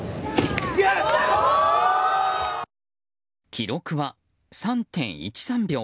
記録は３．１３秒。